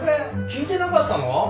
聞いてなかったの？